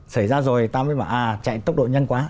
xảy ra rồi ta mới bảo à chạy tốc độ nhanh quá